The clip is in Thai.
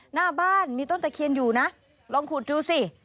หน้าบ้านมีต้นตะเคียนอยู่นะลองขุดดูสิ